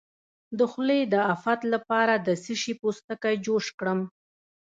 د خولې د افت لپاره د څه شي پوستکی جوش کړم؟